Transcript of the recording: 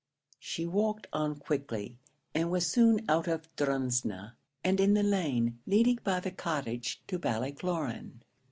She walked on quickly, and was soon out of Drumsna, and in the lane leading by the cottage to Ballycloran.